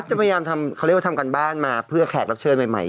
จะพยายามทำการบ้านมาเพื่อแขกรับเชิญใหม่